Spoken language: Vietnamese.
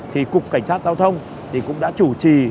thì cục cảnh sát giao thông thì cũng đã chủ trì